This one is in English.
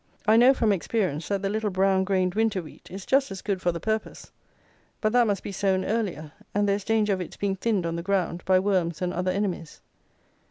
I know, from experience, that the little brown grained winter wheat is just as good for the purpose: but that must be sown earlier; and there is danger of its being thinned on the ground, by worms and other enemies.